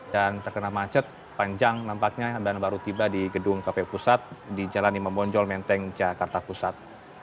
dan terkena macet panjang nampaknya dan baru tiba di gedung kpu pusat di jalan imam bonjol menteng jakarta pusat